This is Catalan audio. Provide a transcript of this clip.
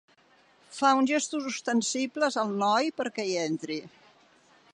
Fa uns gestos ostensibles al noi perquè hi entri.